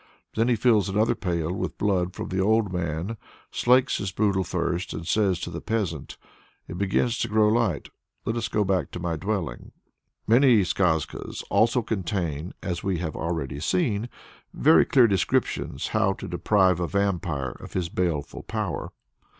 Then he fills another pail with blood from the old man, slakes his brutal thirst, and says to the peasant, 'It begins to grow light! let us go back to my dwelling.'" Many skazkas also contain, as we have already seen, very clear directions how to deprive a vampire of his baleful power.